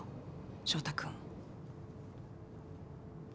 翔太君。